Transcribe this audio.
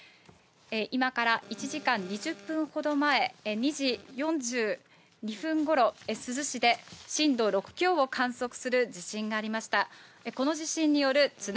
今から１時間２０分ほど前、２時４２分ごろ、珠洲市で震度６強を観測する地震がありました。